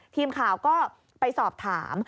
ทีมข่าวก็ไปสอบถาม